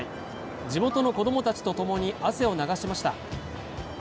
地元の子供たちとともに汗を流しました。